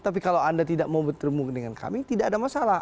tapi kalau anda tidak mau bertemu dengan kami tidak ada masalah